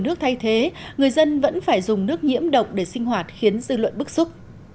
nước thay thế người dân vẫn phải dùng nước nhiễm độc để sinh hoạt khiến dư luận bức xúc